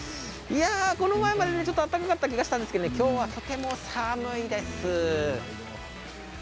この前までちょっと暖かかったんですけれども今日はとても寒いです。